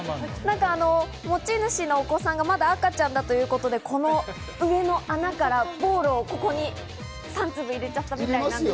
持ち主のお子さんがまだ赤ちゃんだということで、上の穴からボーロをここに３粒入れちゃったみたいで。